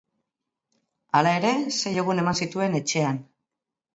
Hala ere, sei egun eman zituen etxean.